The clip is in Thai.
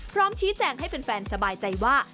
พร้อมชี้แจงให้แฟนสบายใจว่า